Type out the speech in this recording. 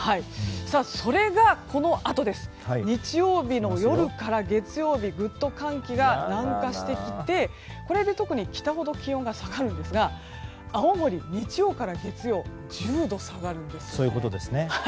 それが、このあと日曜日の夜から月曜日ぐっと寒気が南下してきて特に北ほど気温が下がるんですが青森、日曜から月曜１０度下がるんですね。